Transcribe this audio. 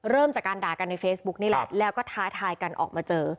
เริ่มจากการด่ากันในเฟซบุ๊กนี่แหละแล้วก็ท้าทายกันออกมาเจอ